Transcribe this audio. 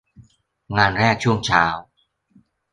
งานแรกช่วงเช้า